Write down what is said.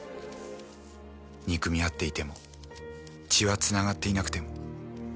「憎みあっていても血はつながっていなくても」